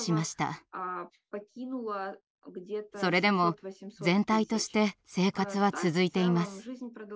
それでも全体として生活は続いています。